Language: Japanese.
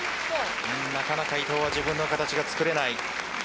なかなか伊藤は自分の形がつくれない。